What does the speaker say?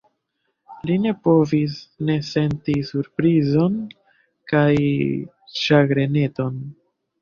Li ne povis ne senti surprizon kaj ĉagreneton.